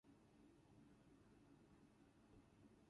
Wages vary by industry and type of employment.